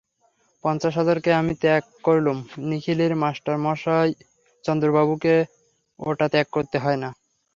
পঞ্চাশ হাজারকে আমি ত্যাগ করলুম, নিখিলের মাস্টারমশায় চন্দ্রবাবুকে ওটা ত্যাগ করতে হয় না।